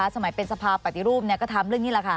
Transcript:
สมัยเป็นสภาปฏิรูปก็ทำเรื่องนี้แหละค่ะ